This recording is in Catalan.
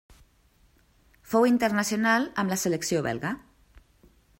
Fou internacional amb la selecció belga.